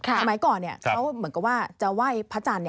สมัยก่อนเขาเหมือนกับว่าจะไหว้พระจันทร์